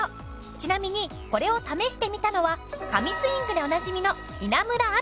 ちなみにこれを試してみたのは神スイングでおなじみの稲村亜美さん。